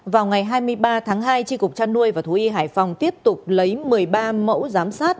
vào ngày hai mươi ba tháng hai tri cục trăn nuôi và thú y hải phòng tiếp tục lấy một mươi ba mẫu giám sát